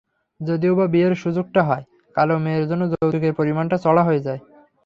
যদিওবা বিয়ের সুযোগ হয়, কালো মেয়ের জন্য যৌতুকের পরিমাণ চড়া হয়ে যায়।